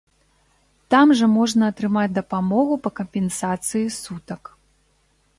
Там жа можна атрымаць дапамогу па кампенсацыі сутак.